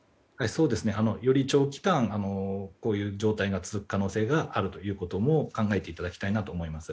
そうですね。より長期間こういう状態が続く可能性がると考えていただきたいと思います。